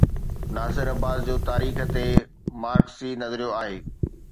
ناصر عباس جو تاريخ تي مارڪسي نظريو آهي.